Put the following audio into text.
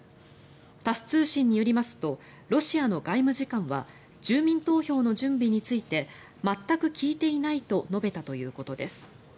タス通信によりますとロシアの外務次官は住民投票の準備について全く聞いていないと述べたということです。